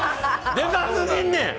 でかすぎんねん！